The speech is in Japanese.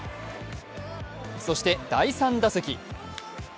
そして第３打席。